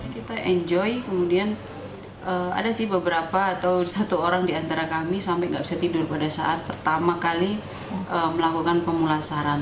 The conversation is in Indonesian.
kita enjoy kemudian ada sih beberapa atau satu orang di antara kami sampai nggak bisa tidur pada saat pertama kali melakukan pemulasaran